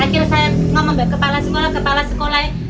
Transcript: akhirnya saya ngomong kepala sekolah kepala sekolah